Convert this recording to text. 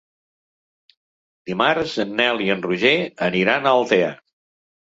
Dimarts en Nel i en Roger aniran a Altea.